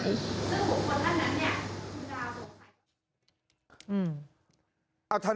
ซึ่งหลวงคนท่านนั้นคุณได่ดาวบอก